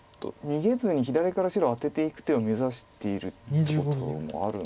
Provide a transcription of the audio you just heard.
逃げずに左から白アテていく手を目指しているってこともある。